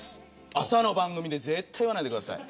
朝の番組で絶対に言わないでください。